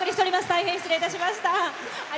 大変失礼いたしました。